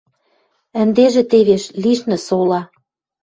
Ӹндежӹ тевеш — лишнӹ сола.